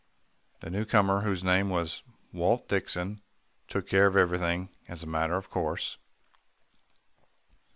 The newcomer, whose name was Walt Dixon, took everything as a matter of course.